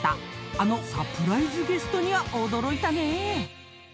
［あのサプライズゲストには驚いたね！］